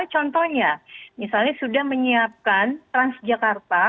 contohnya misalnya sudah menyiapkan transjakarta